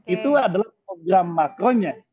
itu adalah program makronya